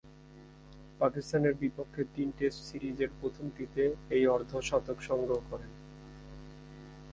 পাকিস্তানের বিপক্ষে তিন টেস্ট সিরিজের প্রথমটিতে এই অর্ধ-শতক সংগ্রহ করেন।